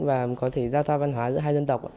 và có thể giao thoa văn hóa giữa hai dân tộc